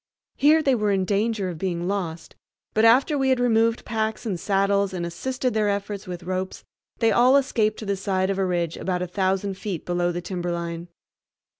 Here they were in danger of being lost, but after we had removed packs and saddles and assisted their efforts with ropes, they all escaped to the side of a ridge about a thousand feet below the timberline.